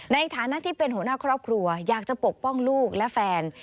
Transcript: ในฐานะที่เป็นหัวหน้าครอบครัวอยากจะปกป้องลูกและแฟน